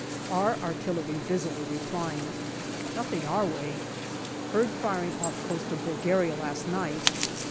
Our artillery busily replying. Nothing our way. Heard firing off coast of Bulgaria last night.